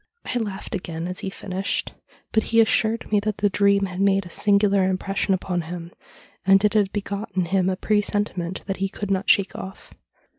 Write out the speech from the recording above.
I laughed again as he finished, but he assured me that the dream had made a singular impression upon him, and it had begot in him a presentiment that he could not shake off.